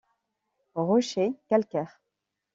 Rochers calcaires.